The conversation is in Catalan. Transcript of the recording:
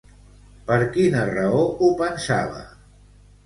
Per quina raó ho pensava?